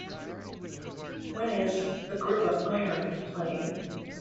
When is The Grip of Iron playing